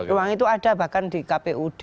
ruang itu ada bahkan di kpud